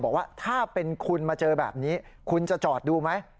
บอกว่าถ้าเป็นคุณมาเจอแบบนี้คุณจะจอดดูไหม